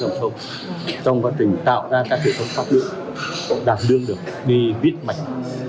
trong quá trình tạo ra các hệ thống phát lượng đạt lương được đi viết mạch